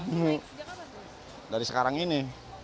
oh udah kebarang ini